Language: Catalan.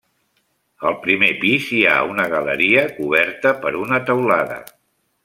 Al primer pis hi ha una galeria coberta per una teulada.